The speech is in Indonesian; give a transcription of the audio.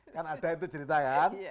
kan ada itu cerita kan